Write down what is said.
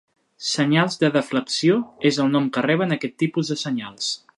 "Senyals de deflexió" és el nom que reben aquest tipus de senyals.